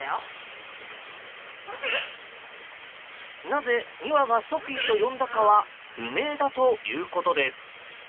なぜ２羽がソフィーと呼んだかは不明だということです。